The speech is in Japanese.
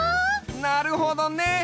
なるほどね！